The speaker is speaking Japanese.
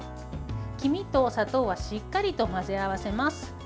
黄身と砂糖はしっかりと混ぜ合わせます。